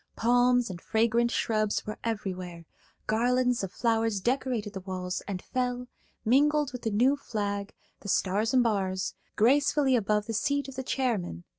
Palms and fragrant shrubs were everywhere; garlands of flowers decorated the walls and fell, mingled with the new flag–the stars and bars–gracefully above the seat of the chairman.